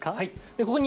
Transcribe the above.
でここに。